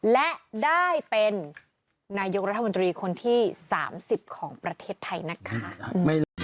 และได้เป็นนายกรัฐมนตรีคนที่๓๐ของประเทศไทยนะคะ